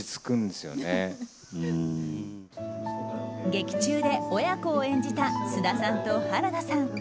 劇中で親子を演じた菅田さんと原田さん。